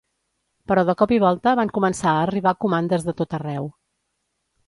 Però de cop i volta van començar a arribar comandes de tot arreu.